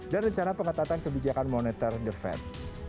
dan rencana pengetahuan kebijakan moneter the fed